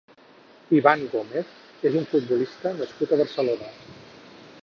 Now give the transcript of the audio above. Iván Gómez és un futbolista nascut a Barcelona.